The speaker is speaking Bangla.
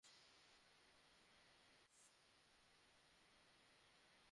প্রকাশের তাগিদে দ্বিমাত্রিক অবতল অতিক্রম করে কখনো তিনি চলে গেছেন ত্রিমাত্রিক ভাস্কর্যে।